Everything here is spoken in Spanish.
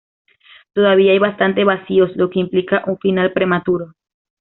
Todavía hay bastantes vacíos, lo que implicaba un final prematuro.